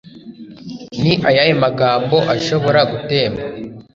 ni ayahe magambo ashobora gutemba